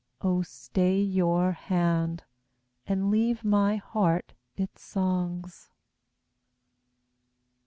O stay your hand, and leave my heart its songs!